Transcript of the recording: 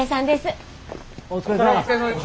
お疲れさんです。